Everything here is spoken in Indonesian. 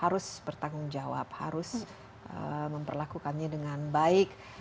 harus bertanggung jawab harus memperlakukannya dengan baik